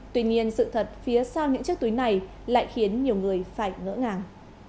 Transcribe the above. tuy nhiên sự thật phía sau những chiếc túi này lại khiến nhiều người phải ngỡ ngàng